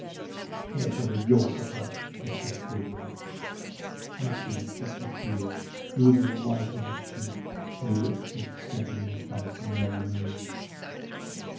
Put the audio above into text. "Here shall be your supper," he said, grimly. Matcham had stopped his tears; he was as white as a sheet, but he looked Dick steadily in the face, and never moved.